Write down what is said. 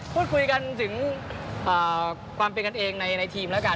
พูดคุยกันถึงความเป็นกันเองในทีมแล้วกัน